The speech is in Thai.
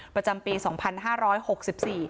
ประจำปี๒๕๖๔